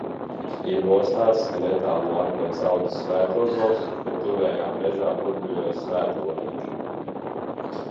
Ir nostāsts, ka netālu no akmens audzis svētozols, bet tuvējā mežā burbuļojis svētavotiņš.